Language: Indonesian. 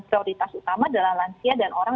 prioritas utama adalah lansia dan orang